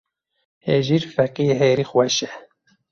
Hejîr fêkiya herî xweş e.